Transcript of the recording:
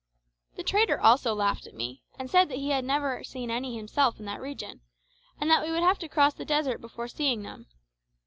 The trader also laughed at me, and said that he had never seen any himself in that region, and that we would have to cross the desert before seeing them.